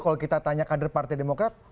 kalau kita tanya kader partai demokrat